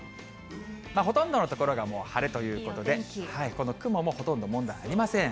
ほとんどの所がもう晴れということで、この雲もほとんど問題ありません。